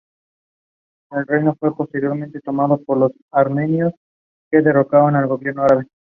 El reino fue posteriormente tomado por los armenios, que derrocaron al gobierno árabe.